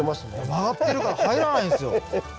曲がってるから入らないんすよ。